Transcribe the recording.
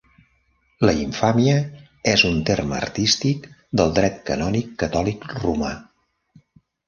La infàmia és un terme artístic del Dret Canònic Catòlic Romà.